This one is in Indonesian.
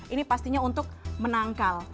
ini pastinya untuk menangkal